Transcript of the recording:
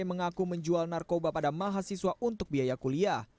mengaku menjual narkoba pada mahasiswa untuk biaya kuliah